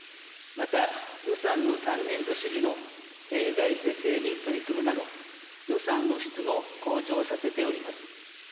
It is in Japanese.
また予算の単年度主義の弊害是正に取り組むなど、予算の質も向上させております。